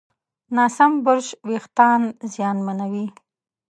ناسم برش وېښتيان زیانمنوي.